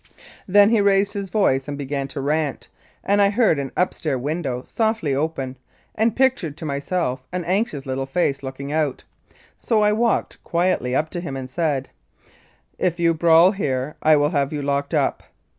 Then he raised his voice and began to rant, and I heard an upstair window softly open, and pictured to myself an anxious little face looking out, so I walked quietly up to him and said, "If you brawl here I will have you locked up."